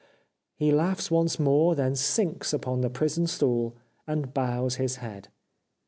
He laughs once more, then sinks upon the prison stool, and bows his head.